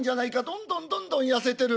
どんどんどんどん痩せてる。